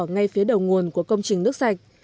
ngay phía đầu nguồn của công trình nước sạch